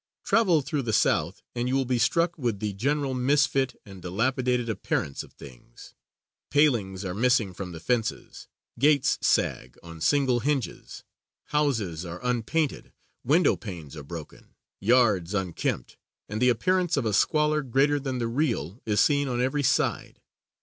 _ Travel through the South and you will be struck with the general misfit and dilapidated appearance of things. Palings are missing from the fences, gates sag on single hinges, houses are unpainted, window panes are broken, yards unkempt and the appearance of a squalor greater than the real is seen on every side.